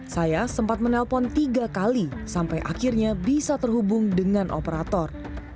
saya sempat menelpon tiga kali sampai akhirnya bisa terhubung dengan operator